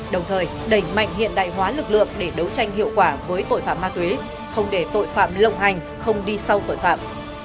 đồng thời đẩy mạnh hiện đại hóa lực lượng để đấu tranh hiệu quả với tội phạm ma túy không để tội phạm lộng hành không đi sau tội phạm